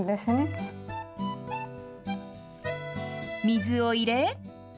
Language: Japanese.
水を入れ。